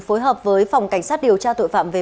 phối hợp với phòng cảnh sát điều tra tội phạm về